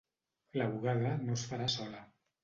La bugada no es farà sola.